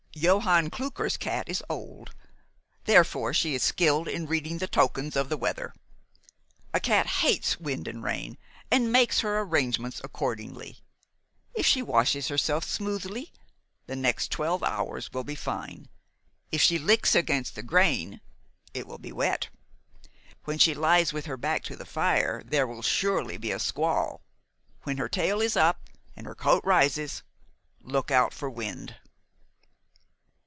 Johann Klucker's cat is old. Therefore she is skilled in reading the tokens of the weather. A cat hates wind and rain, and makes her arrangements accordingly. If she washes herself smoothly, the next twelve hours will be fine. If she licks against the grain, it will be wet. When she lies with her back to the fire, there will surely be a squall. When her tail is up and her coat rises, look out for wind."